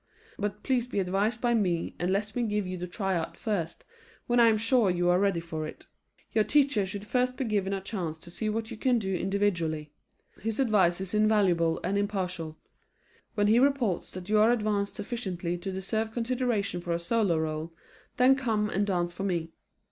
But please be advised by me and let me give you the tryout first when I am sure you are ready for it. Your teacher should first be given a chance to see what you can do individually. His advice is invaluable and impartial. When he reports that you are advanced sufficiently to deserve consideration for a solo role, then come and dance for me.